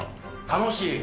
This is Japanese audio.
楽しい。